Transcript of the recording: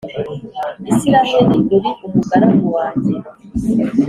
israheli, uri umugaragu wanjye,